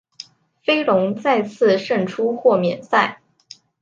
飞龙再次胜出豁免赛。